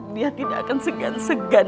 dia tidak akan segan segan